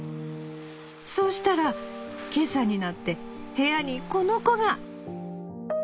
そうしたら今朝になって部屋にこの子が！』